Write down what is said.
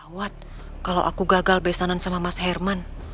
what kalau aku gagal besanan sama mas herman